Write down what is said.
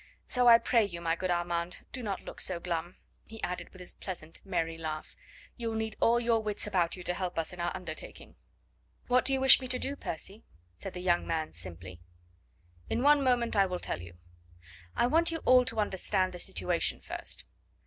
So I pray you, my good Armand, do not look so glum," he added with his pleasant, merry laugh; "you'll need all your wits about you to help us in our undertaking." "What do you wish me to do, Percy?" said the young man simply. "In one moment I will tell you. I want you all to understand the situation first.